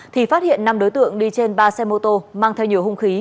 thì phát hiện năm đối tượng đi trên ba xe mô tô mang theo nhiều hung khí